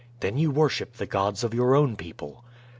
"Then you worship the gods of your own people?"